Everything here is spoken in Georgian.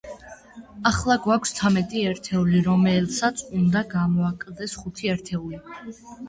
ახლა გვაქვს ცამეტი ერთეული, რომელსაც უნდა გამოაკლდეს ხუთი ერთეული.